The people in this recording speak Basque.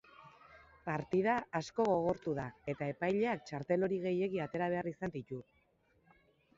Partida asko gogortu da eta epaileak txartel hori gehiegi atera behar izan ditu.